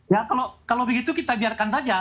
ya kalau begitu kita biarkan saja